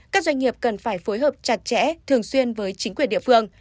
các doanh nghiệp cần phải phối hợp chặt chẽ thường xuyên với chính quyền địa phương